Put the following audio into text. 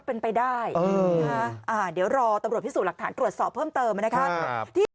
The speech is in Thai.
เป็นไปได้เดี๋ยวรอตำรวจพิสูจน์หลักฐานตรวจสอบเพิ่มเติมนะครับที่